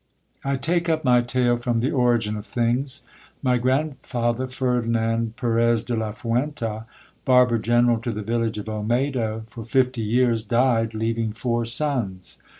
I TAKE up my tale from the origin of things. My grandfather, Ferdinand Perez de la Fuenta, barber general to the village of Olmedo for fifty years, died, leaving four sons.